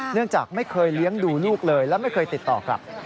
จากไม่เคยเลี้ยงดูลูกเลยและไม่เคยติดต่อกลับ